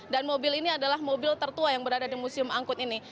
dan mobil ini adalah mobil tertua yang berada di museum angkut ini